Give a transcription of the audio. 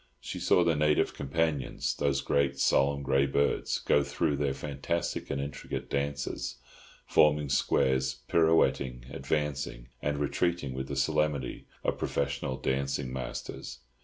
She saw the native companions, those great, solemn, grey birds, go through their fantastic and intricate dances, forming squares, pirouetting, advancing, and retreating with the solemnity of professional dancing masters.